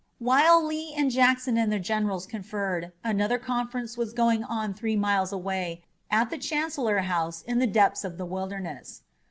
While Lee and Jackson and their generals conferred, another conference was going on three miles away at the Chancellor House in the depths of the Wilderness.